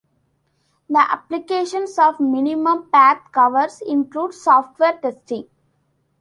The applications of minimum path covers include software testing.